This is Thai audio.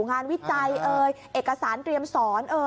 งานวิจัยเอกสารเตรียมสอน